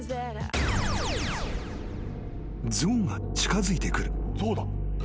［象が近づいてくる］